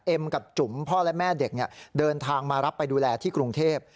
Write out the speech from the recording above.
กับจุ๋มพ่อและแม่เด็กเดินทางมารับไปดูแลที่กรุงเทพ